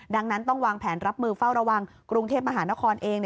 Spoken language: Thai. ดังนั้นต้องวางแผนรับมือเฝ้าระวังกรุงเทพมหานครเอง